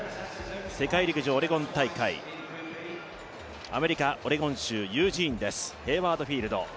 世界陸上オレゴン大会、アメリカ・オレゴン州ユージーン、ヘイワード・フィールド。